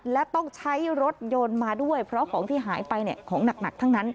และต้องใช้รถยนต์มาด้วยเพราะของที่หายไปของหนักทั้งนั้น